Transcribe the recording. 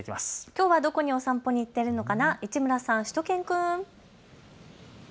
きょうはどこにお散歩に行っているのかな市村さん、しゅと犬くん。